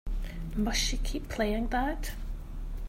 Must she keep playing that?